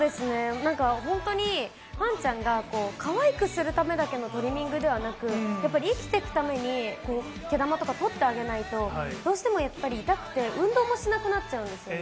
なんか本当に、わんちゃんがかわいくするためだけのトリミングではなく、やっぱり生きていくために毛玉とか取ってあげないと、どうしてもやっぱり痛くて運動もしなくなっちゃうんですよね。